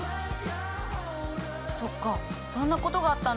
そっかそんなことがあったんだね。